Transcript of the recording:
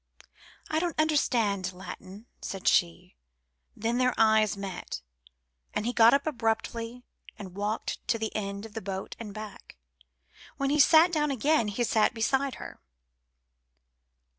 "I don't understand Latin," said she. Then their eyes met, and he got up abruptly and walked to the end of the boat and back. When he sat down again, he sat beside her.